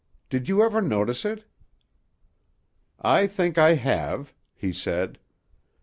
Did you ever notice it?" "I think I have," he said.